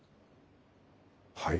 はい。